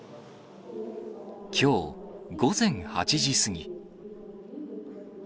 きょう午前８時過ぎ。